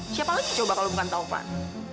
siapa lagi cowok bakal bukan taufan